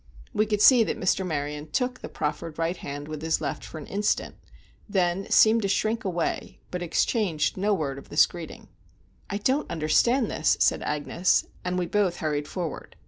We could see that Mr. Maryon took the proffered right hand with his left for an instant, then seemed to shrink away, but exchanged no word of this greeting. "I don't understand this," said Agnes, and we both hurried forward.